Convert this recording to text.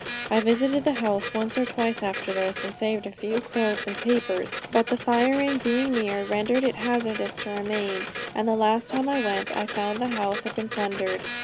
I visited the house once or twice after this, and saved a few clothes and papers, but the firing being near, rendered it hazardous to remain, and the last time I went, I found the house had been plundered.